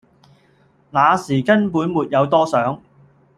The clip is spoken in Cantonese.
那時根本沒有多想